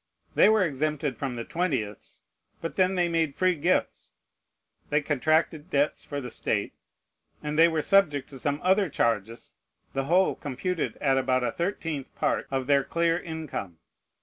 They were exempted from the twentieths: but then they made free gifts; they contracted debts for the state; and they were subject to some other charges, the whole computed at about a thirteenth part of their clear income.